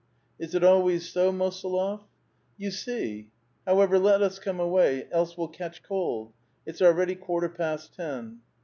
" Is it always so, Mosolof?" " You see. However, let us come away, else we'll catch cold. It's already quarter past ten."